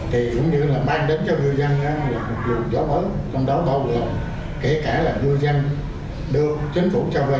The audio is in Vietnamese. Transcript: thì cũng như là mang đến cho ngư dân